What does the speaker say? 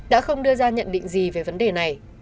đã không đưa ra nhận định gì về vấn đề này